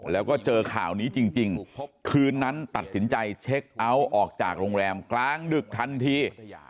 แล้วก็เจอข่าวนี้จริงคืนนั้นตัดสินใจเช็คเอาท์ออกจากโรงแรมกลางดึกทันที